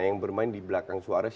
yang bermain di belakang suara